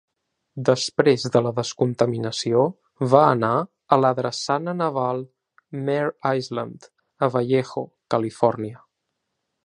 Després de la descontaminació, va anar a la drassana naval Mare Island a Vallejo, Califòrnia.